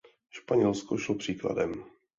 Španělsko šlo příkladem.